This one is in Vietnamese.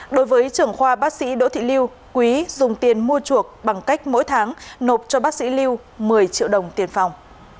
đối với trưởng khoa bác sĩ đỗ thị liêu quý dùng tiền mua chuộc bằng cách mỗi tháng nộp cho bác sĩ lưu một mươi triệu đồng tiền phòng